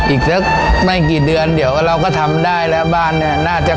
อีกสักไม่กี่เดือนเดี๋ยวเราก็ทำได้แล้วบ้านเนี่ยน่าจะ